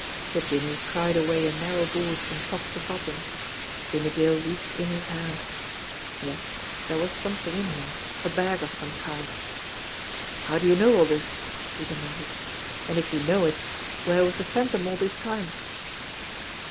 The "jimmy" pried away a narrow board from top to bottom. Jimmie Dale reached in his hand. Yes, there was something in here, a bag of some kind. "How do you know all this ?" he demanded. "And if you know it, where was the Phantom all this time?"